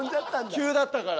急だったから。